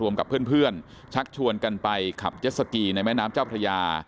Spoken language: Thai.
กับเพื่อนชักชวนกันไปขับเจ็ดสกีในแม่น้ำเจ้าพระยา